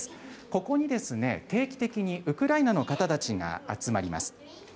ここに、定期的にウクライナの方たちが集まります。